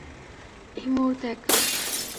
এই মুহূর্তে একা।